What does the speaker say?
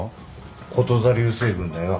こと座流星群だよ。